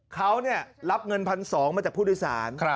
เขาเนี่ยรับเงินพันสองมาจากผู้โดยสาร